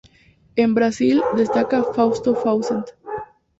En Brasil destaca Fausto Fawcett.